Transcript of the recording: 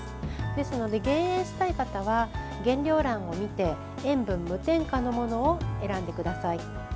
ですので減塩したい方は原料欄を見て塩分無添加のものを選んでください。